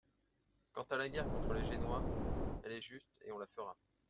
Quant à la guerre contre les Génois, elle est juste et on la fera.